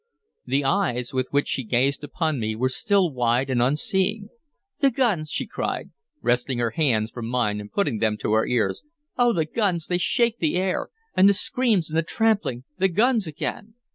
The eyes with which she gazed upon me were still wide and unseeing. "The guns!" she cried, wresting her hands from mine and putting them to her ears. "Oh, the guns! they shake the air. And the screams and the trampling the guns again!"